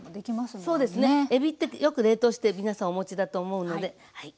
えびってよく冷凍して皆さんお持ちだと思うのではい。